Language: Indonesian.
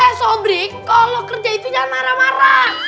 eh sobri kalo kerja itu jangan marah marah